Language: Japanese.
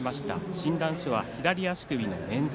診断書は、左足首の捻挫。